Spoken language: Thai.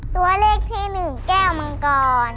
ตัวเลขที่๑แก้วมังกร